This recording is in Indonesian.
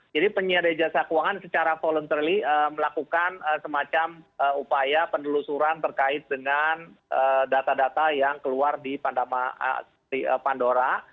jadi penyedia jasa keuangan secara voluntary melakukan semacam upaya pendelusuran terkait dengan data data yang keluar di pandora